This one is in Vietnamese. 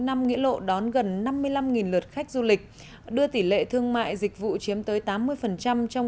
năm nghĩa lộ đón gần năm mươi năm lượt khách du lịch đưa tỷ lệ thương mại dịch vụ chiếm tới tám mươi trong